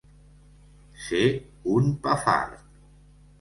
Ser un pafart.